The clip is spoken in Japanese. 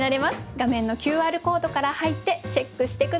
画面のＱＲコードから入ってチェックして下さい。